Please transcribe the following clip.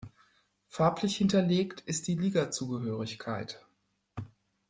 Farblich hinterlegt ist die Ligazugehörigkeit.